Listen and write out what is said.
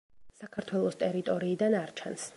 საქართველოს ტერიტორიიდან არ ჩანს.